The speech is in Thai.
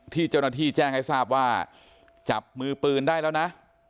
ที่เจ้าหน้าที่แจ้งให้ทราบว่าจับมือปืนได้แล้วนะ